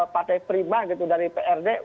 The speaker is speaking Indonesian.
partai prima dari prd